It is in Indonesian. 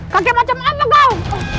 kakek macam apa kau